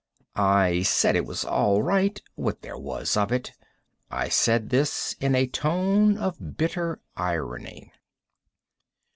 I said it was all right, what there was of it. I said this in a tone of bitter irony.